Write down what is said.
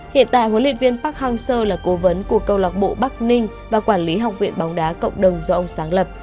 hiện tại huấn luyện viên park hang seo là cố vấn của câu lạc bộ bắc ninh và quản lý học viện bóng đá cộng đồng do ông sáng lập